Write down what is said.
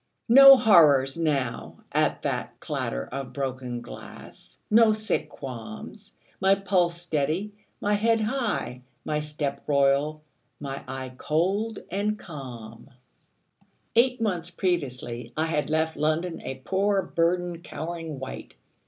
No horrors now at that clatter of broken glass; no sick qualms; my pulse steady; my head high; my step royal; my eye cold and calm. Eight months previously, I had left London a poor burdened, cowering wight.